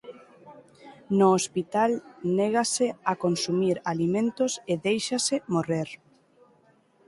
No hospital négase a consumir alimentos e déixase morrer.